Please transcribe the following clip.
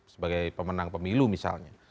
sebagai pemenang pemilu misalnya